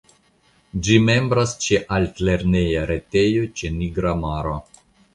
Ĝi membras ĉe altlerneja retejo ĉe Nigra maro.